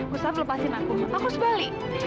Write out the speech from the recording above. gustaf lepasin aku aku harus balik